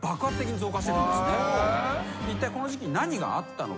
いったいこの時期に何があったのか？